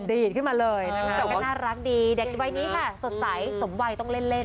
ดีขึ้นมาเลยนะคะก็น่ารักดีเด็กใบนี้ค่ะสดใสสมวัยต้องเล่น